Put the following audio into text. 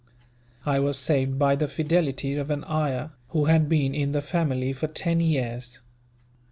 I was saved by the fidelity of an ayah, who had been in the family for ten years.